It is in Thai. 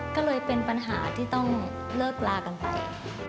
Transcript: ก็เลยเป็นปัญหาที่ต้องเลิกลากันไป